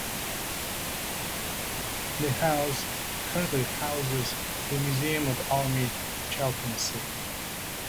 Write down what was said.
The House currently houses The Museum of Army Chaplaincy.